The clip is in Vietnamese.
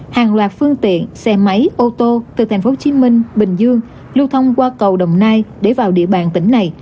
hàng loạt phương tiện xe máy ô tô từ tp hcm bình dương lưu thông qua cầu đồng nai để vào địa bàn tỉnh này